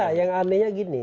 tidak yang anehnya gini